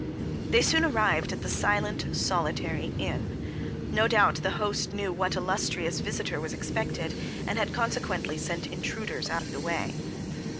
They soon arrived at the silent, solitary inn. No doubt the host knew what illustrious visitor was expected, and had consequently sent intruders out of the way.